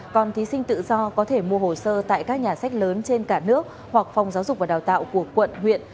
còn thí sinh tự do có thể mua hồ sơ tại các nhà sách lớn trên cả nước hoặc phòng giáo dục và đào tạo của quận huyện